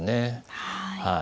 はい。